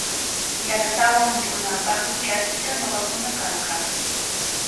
Yanasaawan mikunaapaqmi charkita ñuqakuna kankaa.